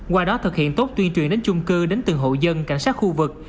qua đó thực hiện tốt tuyên truyền đến chung cư đến từng hộ dân cảnh sát khu vực